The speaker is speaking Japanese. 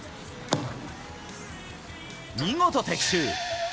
見事的中。